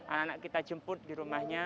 anak anak kita jemput di rumahnya